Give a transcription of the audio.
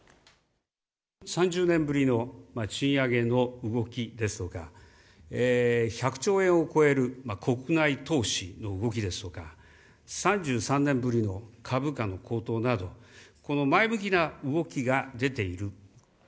３０年ぶりの賃上げの動きですとか、１００兆円を超える国内投資の動きですとか、３３年ぶりの株価の高騰など、前向きな動きが出ている。